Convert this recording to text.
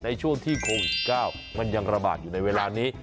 ในช่วงที่โควิด๑๙มันยังระบาดอยู่ในเวลานี้